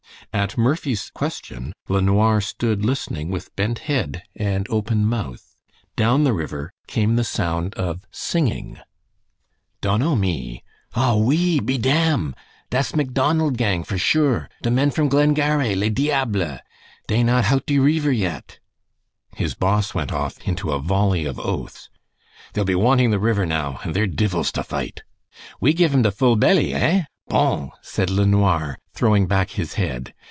At Murphy's question LeNoir stood listening with bent head and open mouth. Down the river came the sound of singing. "Don no me! Ah oui! be dam! Das Macdonald gang for sure! De men from Glengarrie, les diables! Dey not hout de reever yet." His boss went off into a volley of oaths "They'll be wanting the river now, an' they're divils to fight." "We give em de full belly, heh? Bon!" said LeNoir, throwing back his head.